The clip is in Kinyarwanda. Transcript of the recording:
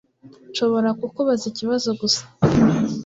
Nshobora kukubaza ikibazo gusa